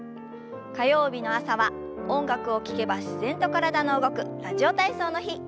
火曜日の朝は音楽を聞けば自然と体の動く「ラジオ体操」の日。